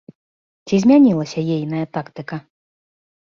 Ці змянілася ейная тактыка?